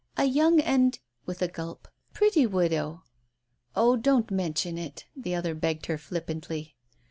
"A young and" — with a gulp — "pretty widow." "Oh, don't mention it," the other begged her flippantly.